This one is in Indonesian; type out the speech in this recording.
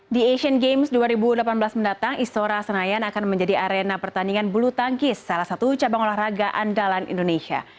di asian games dua ribu delapan belas mendatang istora senayan akan menjadi arena pertandingan bulu tangkis salah satu cabang olahraga andalan indonesia